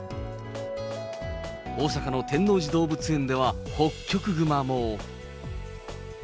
大阪の天王寺動物園では、ホッキョクグマも。